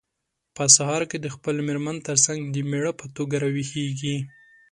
په سهار کې د خپلې مېرمن ترڅنګ د مېړه په توګه راویښیږي.